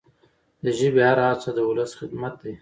د ژبي هره هڅه د ولس خدمت دی.